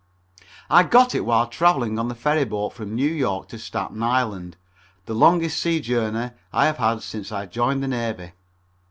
I got it while traveling on the ferry boat from New York to Staten Island the longest sea voyage I have had since I joined the Navy.